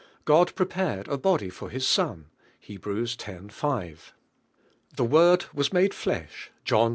God prepared a body for His Son (Heb. x. 5). "The Word was mode flesh" (John i.